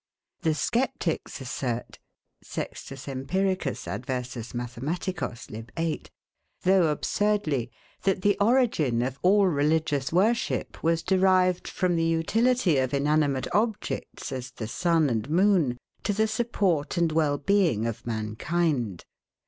The sceptics assert [Sext. Emp. adrersus Math. lib. viii.], though absurdly, that the origin of all religious worship was derived from the utility of inanimate objects, as the sun and moon, to the support and well being of mankind.